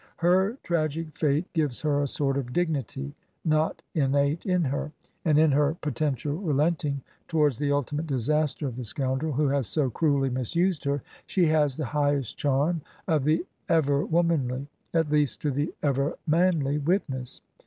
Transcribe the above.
Her tragic fate gives her a sort of dignity not innate in her; and in her potential relenting towards the ultimate disaster of the scoundrel who has so cruelly misused her, she has the highest charm of the Ever Womanly — at least to the Ever Manly witness.